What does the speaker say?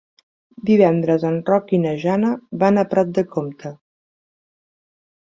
Divendres en Roc i na Jana van a Prat de Comte.